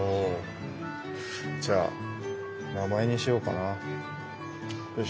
じゃあ名前にしようかな。